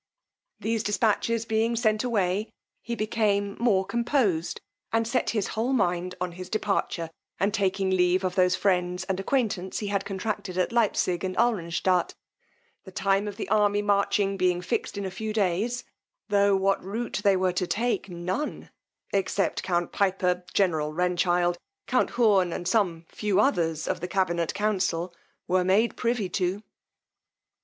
These dispatches being sent away, he became more composed, and set his whole mind on his departure, and taking leave of those friends and acquaintance he had contracted at Leipsic and Alranstadt; the time of the army marching being fixed in a few days, tho' what rout they were to take none, except count Piper, general Renchild, count Hoorn, and some few others of the cabinet council, were made privy to.